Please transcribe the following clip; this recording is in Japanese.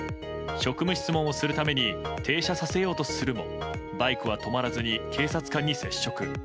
職務質問をするために停車させようとするもバイクは止まらずに警察官に接触。